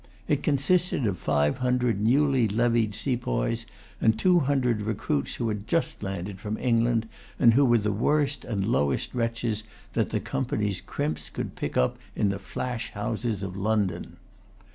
It consisted of five hundred newly levied sepoys and two hundred recruits who had just landed from England, and who were the worst and lowest wretches that the Company's crimps could pick up in the flash houses of London.